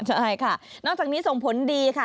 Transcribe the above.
ใช่ค่ะนอกจากนี้ส่งผลดีค่ะ